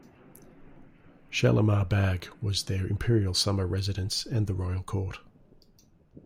Shalimar Bagh was their imperial summer residence and the Royal Court.